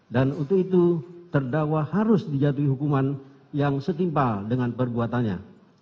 dan untuk itu terdakwa harus dijatuhi hukuman yang setimpal dengan perbuatannya